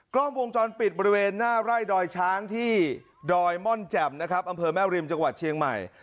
กล้องวงจรปิดบริเวณหน้าไร่ดอยช้างที่ดอยม่อนแจ่มนะครับอำเภอแม่ริมจังหวัดเชียงใหม่